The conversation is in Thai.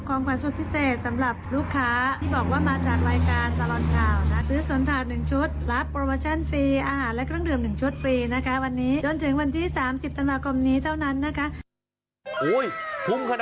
โอ้ยทุ่มขนาดนี้นะครับ